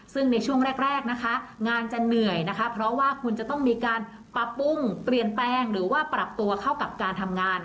ซึ่งในช่วงแรกนะคะงานจะเหนื่อยนะคะเพราะว่าคุณจะต้องมีการปรับปรุงเปลี่ยนแปลงหรือว่าปรับตัวเข้ากับการทำงาน